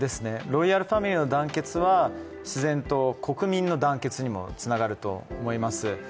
ロイヤル・ファミリーの団結は自然と国民の団結にもつながると思います。